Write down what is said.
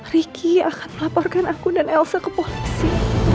riki akan laporkan aku dan elsa ke polisi